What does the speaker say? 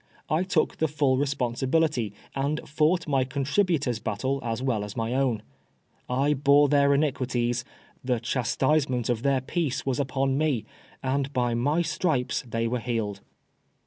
I took the full responsibility, and fought my contributors' battle as well my own. I bore their iniquities, the chastisement of their peace was upon me,, and by my stripes they were healed.